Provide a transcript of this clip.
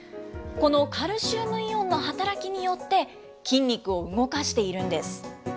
このカルシウムイオンの働きによって、筋肉を動かしているんです。